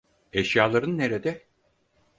Eşyaların nerede?